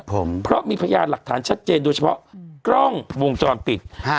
ผมเพราะมีพยานหลักฐานชัดเจนโดยเฉพาะกล้องวงจรปิดฮะ